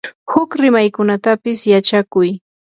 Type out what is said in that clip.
huk rimaykunatapis yachakuy.